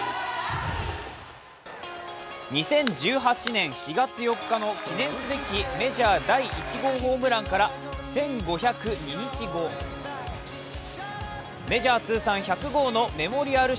２０１８年４月４日の記念すべきメジャー第１号ホームランから１５０２日後メジャー通算１００号のメモリアル